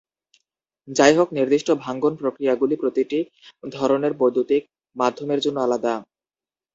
যাইহোক, নির্দিষ্ট ভাঙ্গন প্রক্রিয়াগুলি প্রতিটি ধরনের বৈদ্যুতিক মাধ্যমের জন্য আলাদা।